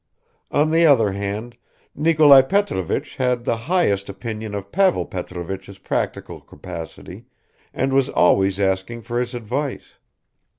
On the other hand, Nikolai Petrovich had the highest opinion of Pavel Petrovich's practical capacity and was always asking for his advice.